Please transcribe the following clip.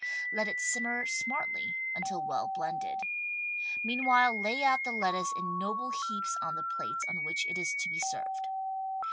Let it simmer smartly until well blended. Meanwhile lay out the lettuce in noble heaps on the plates on which it is to be served.